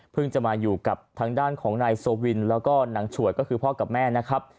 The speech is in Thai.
จะมาอยู่กับทางด้านของนายโซวินแล้วก็หนังฉวยก็คือพ่อกับแม่นะครับ